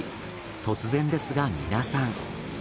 突然ですが皆さん。